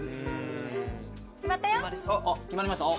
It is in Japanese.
決まりました？